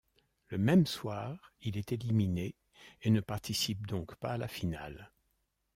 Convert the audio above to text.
Le même soir, il est éliminé et ne participe donc pas à la finale.